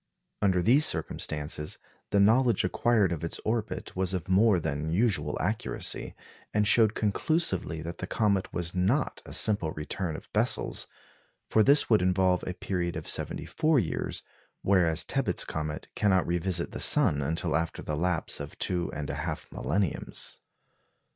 Under these circumstances, the knowledge acquired of its orbit was of more than usual accuracy, and showed conclusively that the comet was not a simple return of Bessel's; for this would involve a period of seventy four years, whereas Tebbutt's comet cannot revisit the sun until after the lapse of two and a half millenniums.